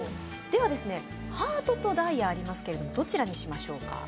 では、ハートとダイヤありますけどどちらにしましょうか？